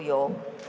tidak ada yang mau